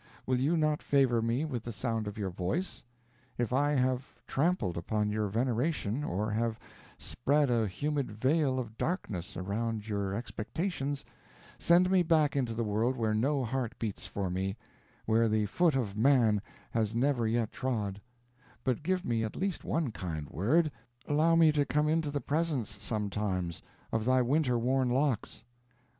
Will you not favor me with the sound of your voice? If I have trampled upon your veneration, or have spread a humid veil of darkness around your expectations, send me back into the world where no heart beats for me where the foot of man has never yet trod; but give me at least one kind word allow me to come into the presence sometimes of thy winter worn locks."